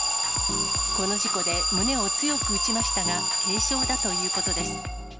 この事故で胸を強く打ちましたが、軽傷だということです。